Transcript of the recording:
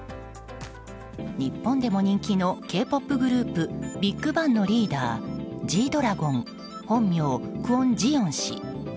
日本でも人気のＫ‐ＰＯＰグループＢＩＧＢＡＮＧのリーダーＧ‐ＤＲＡＧＯＮ本名クォン・ジヨン氏。